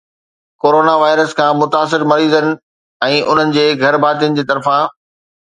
corona virus کان متاثر مريضن ۽ انهن جي گهرڀاتين جي طرفان